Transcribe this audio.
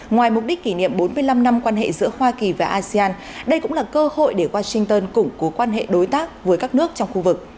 ngoài mục đích kỷ niệm bốn mươi năm năm quan hệ giữa hoa kỳ và asean đây cũng là cơ hội để washington củng cố quan hệ đối tác với các nước trong khu vực